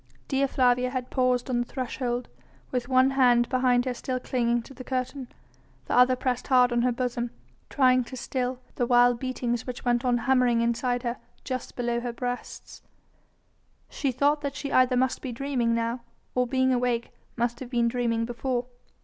Dea Flavia had paused on the threshold, with one hand behind her still clinging to the curtain, the other pressed hard on her bosom, trying to still the wild beatings which went on hammering inside her just below her breasts. She thought that she either must be dreaming now, or being awake, must have been dreaming before.